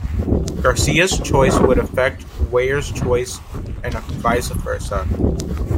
Garcia's choices would affect Weir's choices and vice versa.